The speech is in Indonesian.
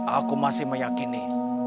aku masih meyakini